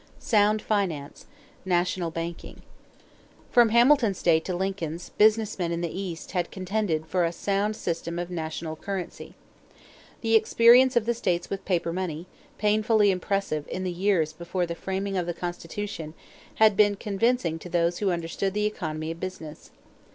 =Sound Finance National Banking.= From Hamilton's day to Lincoln's, business men in the East had contended for a sound system of national currency. The experience of the states with paper money, painfully impressive in the years before the framing of the Constitution, had been convincing to those who understood the economy of business.